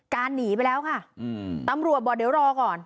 การหนีไปแล้วค่ะอืมตำรัวบอกเดี๋ยวรอก่อน